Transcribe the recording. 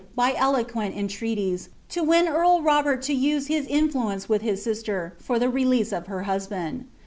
bv eloquent entreaties, to win eail Robert to uae his influence with hi* •■»■ In, for the release of her husband.